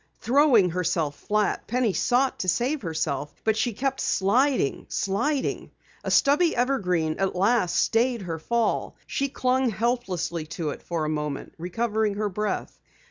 Throwing herself flat, Penny sought to save herself, but she kept sliding, sliding. A stubby evergreen at last stayed her fall. She clung helplessly to it for a moment, recovering her breath.